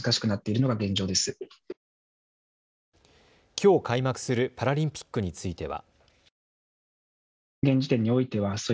きょう開幕するパラリンピックについては。